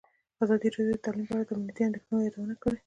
ازادي راډیو د تعلیم په اړه د امنیتي اندېښنو یادونه کړې.